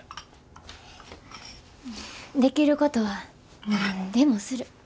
できることは何でもする。